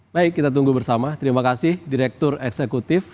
baik kita tunggu bersama terima kasih direktur eksekutif